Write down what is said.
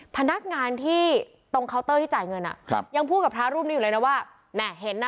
พนักงานที่ตรงเคาน์เตอร์ที่จ่ายเงินอ่ะครับยังพูดกับพระรูปนี้อยู่เลยนะว่าน่ะเห็นน่ะ